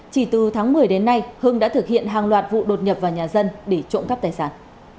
chỉ từ tháng một mươi đến nay hưng đã thực hiện hàng loạt vụ đột nhập vào nhà dân để trộm cắp tài sản